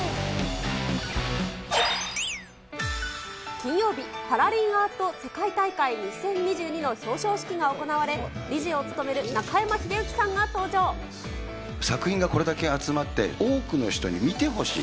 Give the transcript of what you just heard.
金曜日、パラリンアート世界大会２０２２年の表彰式が行われ、作品がこれだけ集まって、多くの人に見てほしい。